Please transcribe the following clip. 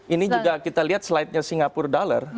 ini juga kita lihat slidenya singapore dollar